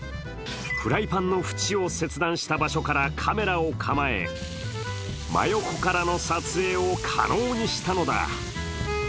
フライパンの縁を切断した場所からカメラを構え、真横からの撮影を可能にしたのだ。